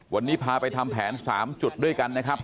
วันนี้พาไปทำแผน๓จุดด้วยกันนะครับ